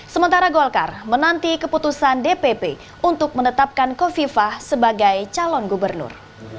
sementara golkar menanti keputusan dpp untuk menetapkan kofifah sebagai calon gubernur